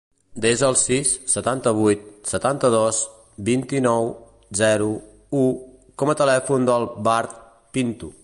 Desa el sis, setanta-vuit, setanta-dos, vint-i-nou, zero, u com a telèfon del Badr Pinto.